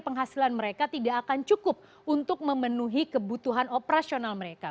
penghasilan mereka tidak akan cukup untuk memenuhi kebutuhan operasional mereka